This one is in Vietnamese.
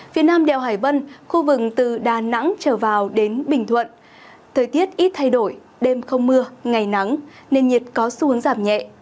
phía nam đèo hải vân khu vực từ đà nẵng trở vào đến bình thuận thời tiết ít thay đổi đêm không mưa ngày nắng nền nhiệt có xu hướng giảm nhẹ